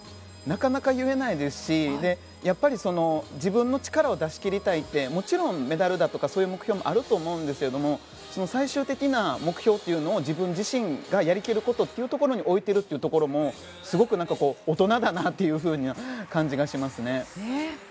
なかなか言えないですしやっぱり自分の力を出し切りたいってもちろんメダルだとかそういう目標もあると思うんですけど最終的な目標というのを自分自身がやり切るところに置いているというところもすごく大人だなというふうな感じがしますね。